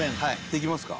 できますか？